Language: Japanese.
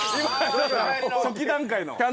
初期段階の。